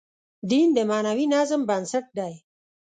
دین د معنوي نظم بنسټ دی.